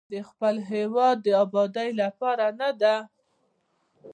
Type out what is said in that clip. آیا د خپل هیواد د ابادۍ لپاره نه ده؟